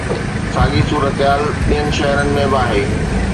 ساڳي صورتحال ٻين شهرن ۾ به آهي.